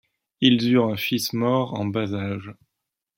Ils eurent un fils mort en bas âge.